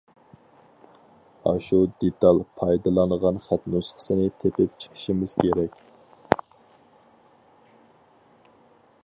ئاشۇ دېتال پايدىلانغان خەت نۇسخىسىنى تېپىپ چىقىشىمىز كېرەك.